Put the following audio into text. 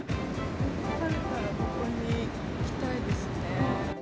疲れたらここに来たいですね。